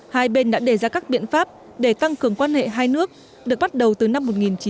hai bên đã đề ra các biện pháp để tăng cường quan hệ hai nước được bắt đầu từ năm một nghìn chín trăm bảy mươi